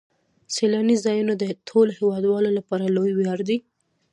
سیلاني ځایونه د ټولو هیوادوالو لپاره لوی ویاړ دی.